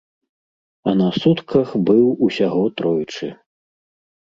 А на сутках быў усяго тройчы.